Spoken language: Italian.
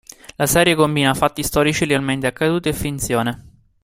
La serie combina fatti storici realmente accaduti e finzione.